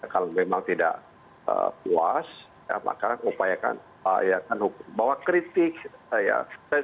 kalau memang tidak puas maka upayakan bahwa kritik ya